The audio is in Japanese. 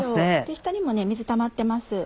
下にも水たまってます。